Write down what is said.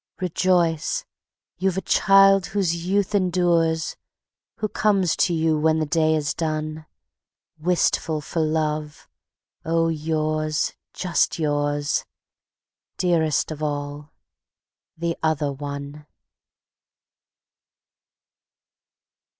Rejoice! You've a child whose youth endures, Who comes to you when the day is done, Wistful for love, oh, yours, just yours, Dearest of all, the Other One.